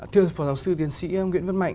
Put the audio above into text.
thưa phó giáo sư tiến sĩ nguyễn văn mạnh